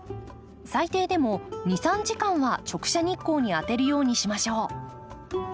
最低でも２３時間は直射日光に当てるようにしましょう。